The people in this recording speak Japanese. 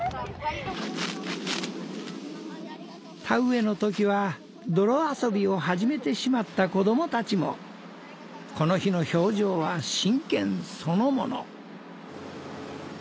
田植えの時は泥遊びを始めてしまった子供たちもこの日の表情は真剣そのもの。